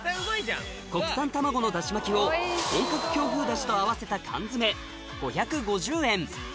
国産卵のだし巻きを本格京風だしと合わせた缶詰５５０円